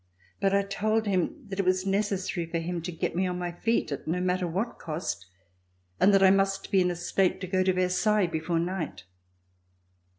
But I told him that it was necessary for him to get me on my feet at no matter what cost, and that I must be in a state to go to Versailles before night.